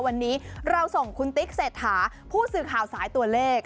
วันนี้เราส่งคุณติ๊กเศรษฐาผู้สื่อข่าวสายตัวเลข